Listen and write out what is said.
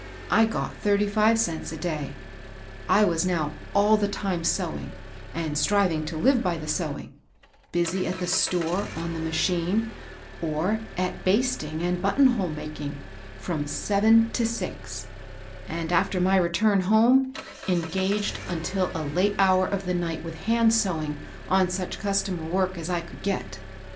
I got thirty five cents a day. I was now all the time sewing, and striving to live by the sewing; busy at the store, on the ma chine, or at basting and button hole making, from seven to six ; and, after my return home, engaged until a late hour of the night with hand sewing on such customer work as I could get.